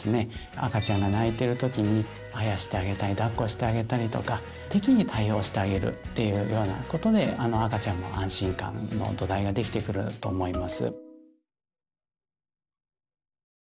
赤ちゃんが泣いてる時にあやしてあげたりだっこしてあげたりとか適宜対応してあげるっていうようなことで赤ちゃんの安心感の土台ができてくると思います。